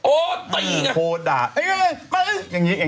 โอ๊ยตายอีกน่ะโหด่าเอ๊ยอย่างนี้เลย